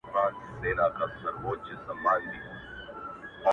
لپاره دې ښار كي ملنگ اوسېږم